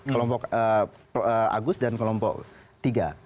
kelompok agus dan kelompok tiga